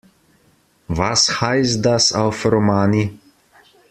Was heißt das auf Romani?